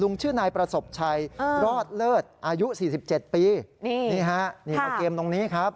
ชื่อนายประสบชัยรอดเลิศอายุ๔๗ปีนี่ฮะนี่มาเกมตรงนี้ครับ